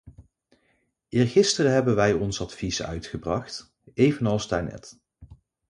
Eergisteren hebben wij ons advies uitgebracht, evenals daarnet.